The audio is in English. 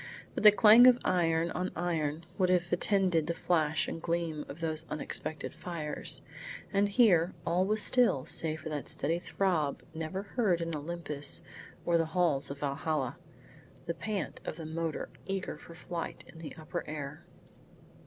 But the clang of iron on iron would have attended the flash and gleam of those unexpected fires, and here all was still save for that steady throb never heard in Olympus or the halls of Valhalla, the pant of the motor eager for flight in the upper air.